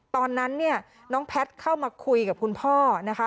ตอนนั้นเนี่ยน้องแพทย์เข้ามาคุยกับคุณพ่อนะคะ